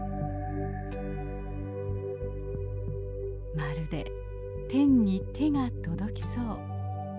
まるで天に手が届きそう。